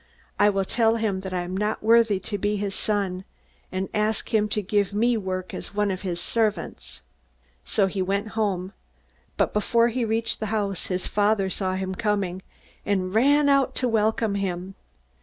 I will tell him that I am not worthy to be his son, and ask him to give me work as one of his servants.' "So he went home. But before he reached the house, his father saw him coming, and ran out to welcome him.